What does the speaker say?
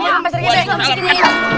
ya pak srikiti